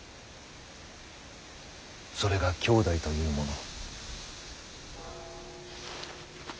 それが兄弟というもの。